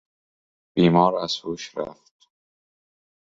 بیمار از هوش رفت.